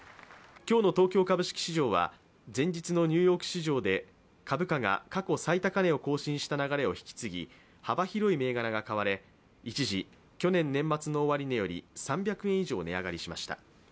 今日の東京株式市場は前日のニューヨーク市場で株価が過去最高値を更新した流れを引き継ぎ幅広い銘柄が買われ、一時、去年年末の終値より３００円以上値上がりしました。